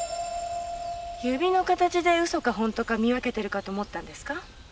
指の形で嘘か本当か見分けてるかと思ったんですか？